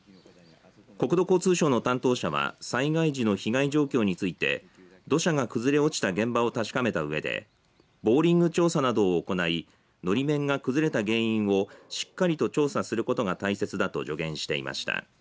国土交通省の担当者は災害時の被害状況について土砂が崩れ落ちた現場を確かめたうえでボーリング調査などを行いのり面が崩れた原因をしっかりと調査することが大切だと助言していました。